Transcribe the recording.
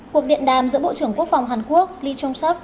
cuộc điện đàm giữa bộ trưởng quốc phòng hàn quốc lee chung suk